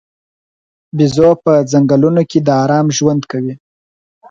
بیزو په ځنګلونو کې د آرام ژوند کوي.